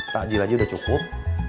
takjil aja udah cukup